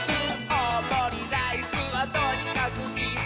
「おおもりライスはとにかくイス！」